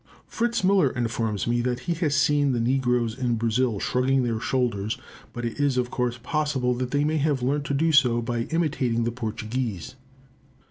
Fritz Müller informs me that he has seen the negroes in Brazil shrugging their shoulders; but it is of course possible that they may have learnt to do so by imitating the Portuguese.